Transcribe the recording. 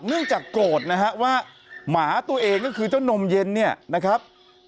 เนื่องจากโกรธนะฮะว่าหมาตัวเองก็คือเจ้านมเย็นเนี่ยนะครับ